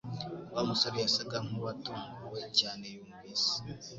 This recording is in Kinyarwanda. Wa musore yasaga nkuwatunguwe cyane yumvise